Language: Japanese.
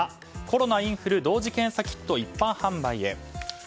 コロナ・インフル同時検査キット一般販売へ。